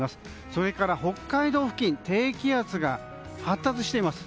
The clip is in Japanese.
それから北海道付近低気圧が発達しています。